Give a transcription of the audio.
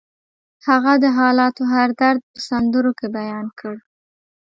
هغه د حالاتو هر درد په سندرو کې بیان کړ